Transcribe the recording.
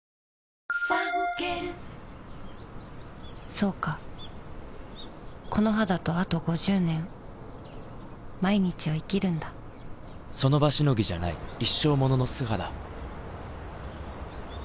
そうかこの肌とあと５０年その場しのぎじゃない一生ものの素肌